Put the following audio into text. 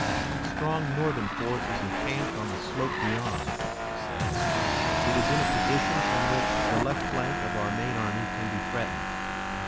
"A strong Northern force is encamped on the slope beyond," he said. "It is in a position from which the left flank of our main army can be threatened.